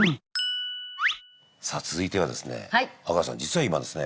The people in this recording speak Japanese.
さあ続いてはですね阿川さん実は今ですね